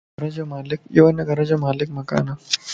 يو ھن گھر جو مالڪ مڪان